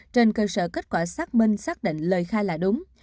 trên cơ sở kết quả xác minh xác định lời khai là đúng